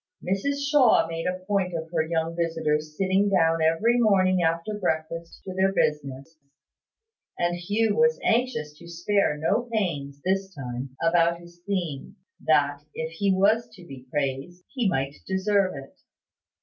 Mrs Shaw made a point of her young visitors sitting down every morning after breakfast to their business; and Hugh was anxious to spare no pains, this time, about his theme, that, if he was to be praised, he might deserve it.